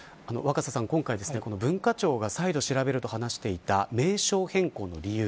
今回この文化庁が再度調べると話していた名称変更の理由。